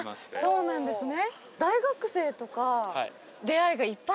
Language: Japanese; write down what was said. そうなんですよね。